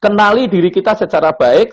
kenali diri kita secara baik